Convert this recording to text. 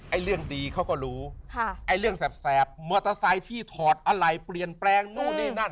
เรื่องดีเขาก็รู้ค่ะไอ้เรื่องแสบมอเตอร์ไซค์ที่ถอดอะไรเปลี่ยนแปลงนู่นนี่นั่น